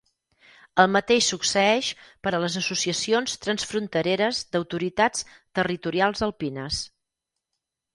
El mateix succeeix per a les associacions transfrontereres d'autoritats territorials alpines.